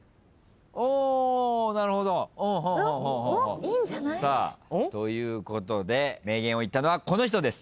いいんじゃない？ということで名言を言ったのはこの人です。